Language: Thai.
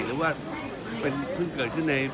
หรือว่าเพิ่งเกิดขึ้นใน